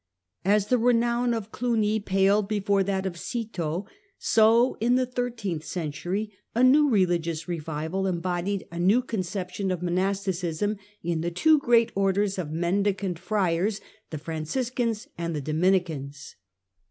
As the renown of Cluny paled before that of Citeaux, so in the thirteenth century a new religious revival embodied a new conception of monasticism in the two great Orders of Mendicant Friars, the Franciscans and the Dominicans.